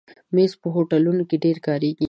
مېز په هوټلونو کې ډېر کارېږي.